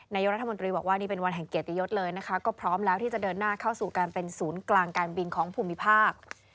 นายกรัฐมนตรีบอกว่านี่เป็นวันแห่งเกียรติยศเลยนะคะก็พร้อมแล้วที่จะเดินหน้าเข้าสู่การเป็นศูนย์กลางการบินของภูมิภาค